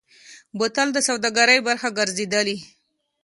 بوتل د سوداګرۍ برخه ګرځېدلی.